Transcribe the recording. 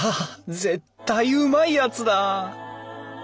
絶対うまいやつだ！